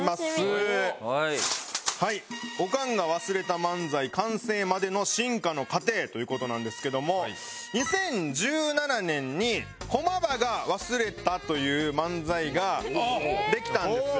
オカンが忘れた漫才完成までの進化の過程という事なんですけども２０１７年に「駒場が忘れた」という漫才ができたんですよ。